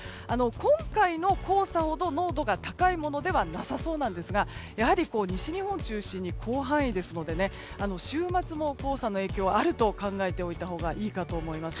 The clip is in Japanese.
今回の黄砂ほど濃度が高いものではなさそうなんですがやはり西日本を中心に広範囲ですので週末も黄砂の影響あると考えておいたほうがいいかと思います。